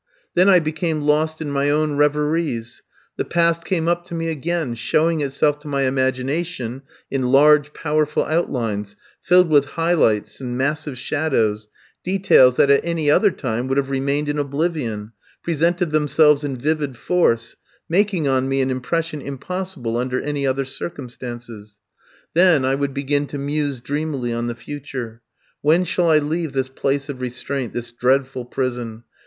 Then I became lost in my own reveries; the past came up to me again, showing itself to my imagination in large powerful outlines filled with high lights and massive shadows, details that at any other time would have remained in oblivion, presented themselves in vivid force, making on me an impression impossible under any other circumstances. Then I would begin to muse dreamily on the future. When shall I leave this place of restraint, this dreadful prison?